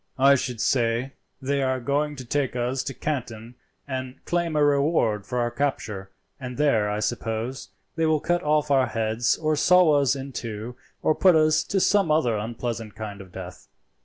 "I should say they are going to take us to Canton and claim a reward for our capture, and there I suppose they will cut off our heads or saw us in two, or put us to some other unpleasant kind of death.